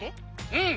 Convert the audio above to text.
うん！